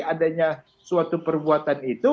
adanya suatu perbuatan itu